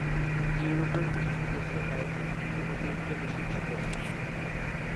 ইউরোপের কিছু দেশে লাইসেন্স ফি অতিরিক্ত বেশি ছিল।